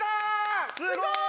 すごい！